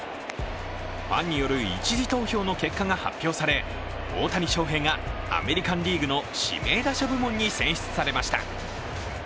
ファンによる１次投票の結果が発表され、大谷翔平がアメリカン・リーグの指名打者部門に選出されました。